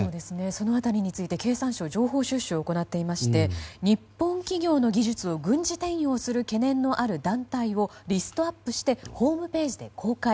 その辺りについて経済産業省は情報収集をしていて日本企業の技術を軍事転用する懸念のある団体をリストアップしてホームページで公開。